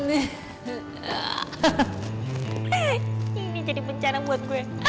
hei ini jadi bencana buat gue